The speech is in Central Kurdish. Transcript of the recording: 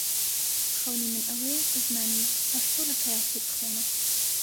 خەونی من ئەوەیە کە زمانی پەشتۆ لە کەراچی بخوێنم.